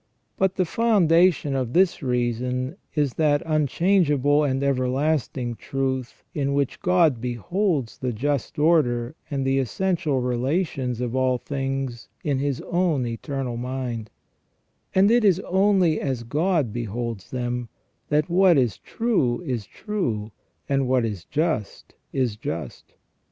But the foundation of this reason is that unchangeable and everlasting truth in which God beholds the just order and the essential relations of all things in His own eternal Mind ; and it is only as God beholds them that what is true is true, and what is just is just.